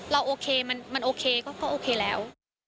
โอเคมันโอเคก็โอเคแล้ว